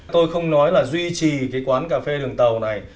tôi không nói là duy trì cái quán cà phê đường tàu này